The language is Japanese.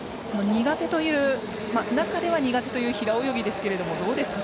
中でも苦手という平泳ぎですがどうですか？